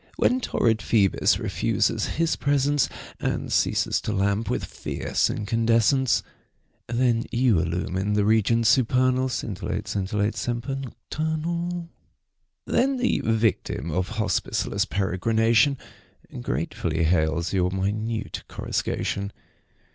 When torrid Phoebus refuses his presence And ceases to lamp with fierce incandescence^ Then you illumine the regions supernal. Scintillate, scintillate, semper nocturnal. Saintc Margirie 4T7 Then the yictiin of hospiceless peregrination Gratefully hails your minute coruscation.